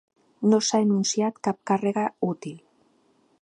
No s'ha anunciat cap càrrega útil.